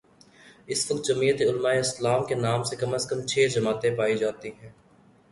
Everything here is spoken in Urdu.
اس وقت جمعیت علمائے اسلام کے نام سے کم از کم چھ جماعتیں پائی جا تی ہیں۔